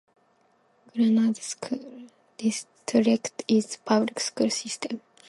Grenada School District is the public school system.